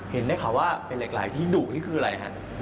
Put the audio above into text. ได้ข่าวว่าเป็นเหล็กไหลที่ดุนี่คืออะไรฮะ